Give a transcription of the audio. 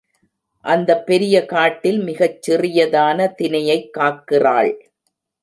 அந்தப் பெரிய காட்டில் மிகச் சிறியதான தினையைக் காக்கிறாள்.